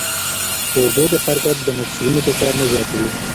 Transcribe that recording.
په اوبو کې حرکت د مفصلونو فشار نه زیاتوي.